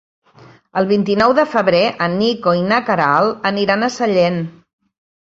El vint-i-nou de febrer en Nico i na Queralt aniran a Sellent.